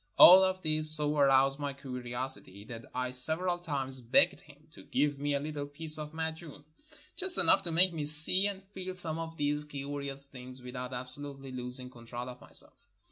All of this so aroused my curiosity that I several times begged him to give me a little piece of madjun, just enough to make me see and feel some of these curious things without absolutely los ing control of myself.